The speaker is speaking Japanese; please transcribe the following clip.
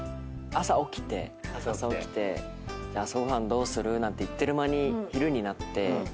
朝起きて朝ご飯どうする？なんて言ってる間に昼になって。